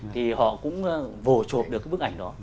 thì họ cũng vổ chụp được cái bức ảnh đó